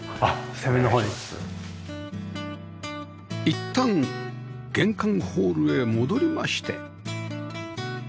いったん玄関ホールへ戻りまして